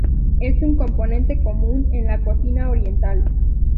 Es un componente común en la cocina oriental.